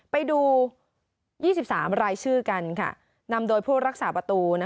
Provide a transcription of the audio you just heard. ไปดู๒๓รายชื่อกันนำโดยผู้รักษาประตู